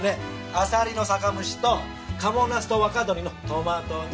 あさりの酒蒸しと賀茂ナスと若鶏のトマト煮。